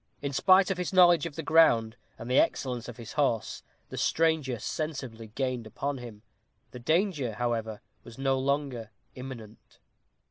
In spite of his knowledge of the ground, and the excellence of his horse, the stranger sensibly gained upon him. The danger, however, was no longer imminent.